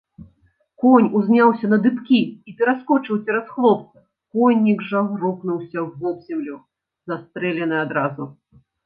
Конь узняўся на дыбкі і пераскочыў цераз хлопца, коннік жа грукнуўся вобземлю, застрэлены адразу.